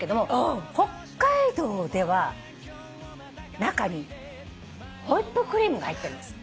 北海道では中にホイップクリームが入ってます。